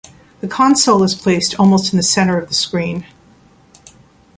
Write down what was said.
The console is placed almost in the centre of the screen.